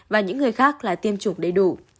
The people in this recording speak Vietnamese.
và những người khác là tiêm chủng đầy đủ